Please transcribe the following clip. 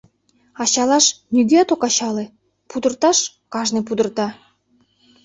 Ачалаш — нигӧат ок ачале, пудырташ — кажне пудырта...